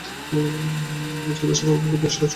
যথাসময়ে ভূপতি সহাস্যমুখে খাইতে আসিল।